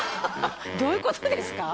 どういうことですか？